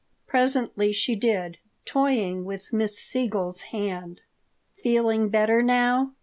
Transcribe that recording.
Presently she did, toying with Miss Siegel's hand "Feeling better now?"